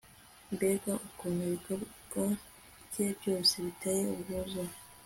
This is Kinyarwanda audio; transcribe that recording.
mbega ukuntu ibikorwa bye byose biteye ubwuzu